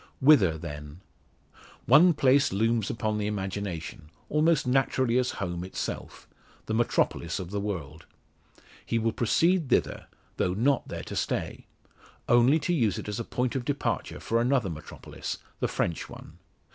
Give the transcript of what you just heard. Whither then? One place looms upon the imagination almost naturally as home itself the metropolis of the world. He will proceed thither, though not there to stay. Only to use it as a point of departure for another metropolis the French one.